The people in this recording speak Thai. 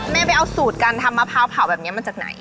แม่ไปเอาสูตรการทำมะพร้าวเผาแบบนี้มาจากไหน